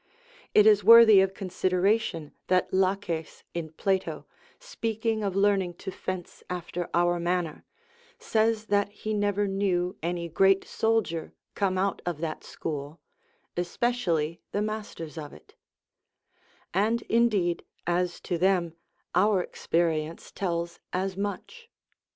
It is worthy of consideration that Laches in Plato, speaking of learning to fence after our manner, says that he never knew any great soldier come out of that school, especially the masters of it: and, indeed, as to them, our experience tells as much.